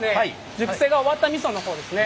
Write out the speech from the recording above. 熟成が終わった味噌の方をですね